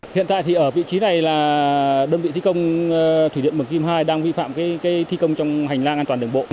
hiện tại thì ở vị trí này là đơn vị thi công thủy điện mường kim hai đang vi phạm thi công trong hành lang an toàn đường bộ